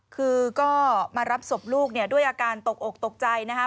คือก็มารับศพลูกด้วยอาการตกอกตกใจนะครับ